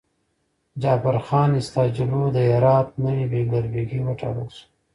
جعفرخان استاجلو د هرات نوی بیګلربيګي وټاکل شو.